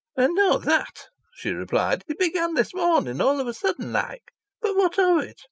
"I know that," she replied. "It began this morning, all of a sudden like. But what of it?